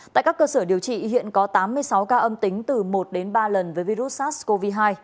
tại các cơ sở điều trị hiện có tám mươi sáu ca âm tính từ một đến ba lần với virus sars cov hai